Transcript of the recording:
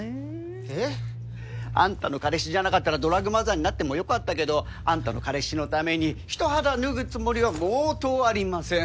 えっ？あんたの彼氏じゃなかったらドラァグマザーになってもよかったけどあんたの彼氏のために一肌脱ぐつもりは毛頭ありません。